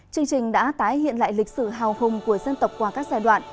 chương trình đã tái hiện lại lịch sử hào hùng của dân tộc qua các giai đoạn